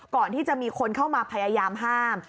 ก่อนที่จะมีคนเข้ามาพยายามห้าม